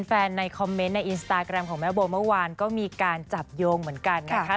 ในคอมเมนต์ในอินสตาแกรมของแม่โบเมื่อวานก็มีการจับโยงเหมือนกันนะคะ